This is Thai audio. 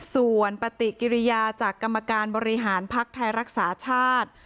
ส่วนปฏิกิริยาจากกรรมการบริหารภักดิ์ไทยรักษาชาติ